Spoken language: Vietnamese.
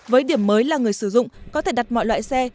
với điểm mới là người sử dụng có thể đặt mọi loại xe